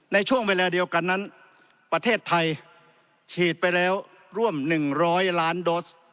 ในช่วงเวลาเดียวกันนั้นประเทศไทยฉีดไปแล้วร่วม๑๐๐ล้านโดส